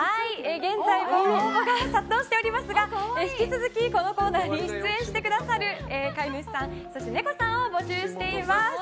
現在応募が殺到しておりますが引き続きこのコーナーに出演してくださる飼い主さんそしてネコちゃんを募集しています。